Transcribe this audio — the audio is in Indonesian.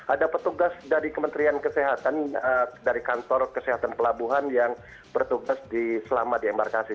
ada petugas dari kementerian kesehatan dari kantor kesehatan pelabuhan yang bertugas selama di embarkasi